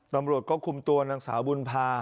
น้องบริษัทก็คุ้มตัวนางสาวบุญภา